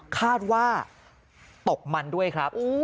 คาดว่าตกมันด้วยครับ